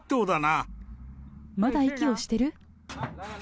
まだ息をしてる？